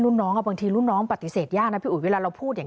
น้องบางทีรุ่นน้องปฏิเสธยากนะพี่อุ๋ยเวลาเราพูดอย่าง